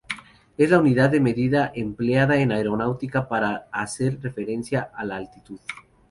Es la unidad de medida empleada en aeronáutica para hacer referencia a la altitud.